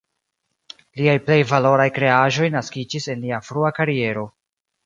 Liaj plej valoraj kreaĵoj naskiĝis en lia frua kariero.